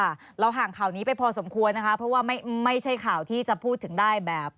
เราห่างข่าวนี้ไปพอสมควรนะคะเพราะว่าไม่ไม่ใช่ข่าวที่จะพูดถึงได้แบบ